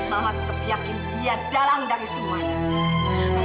mama tetap yakin dia dalam dari semuanya